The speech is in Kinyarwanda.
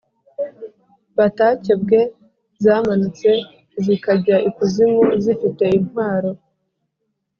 batakebwe zamanutse zikajya ikuzimu zifite intwaro